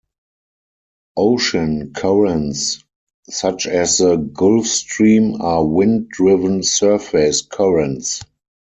Ocean currents such as the Gulf Stream are wind-driven surface currents.